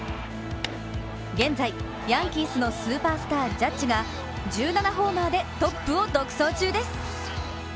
現在ヤンキースのスーパースタージャッジが１７ホーマーでトップを独走中です。